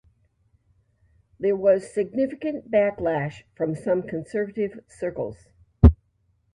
There was significant backlash from some conservative circles.